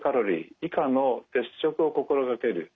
以下の節食を心掛ける。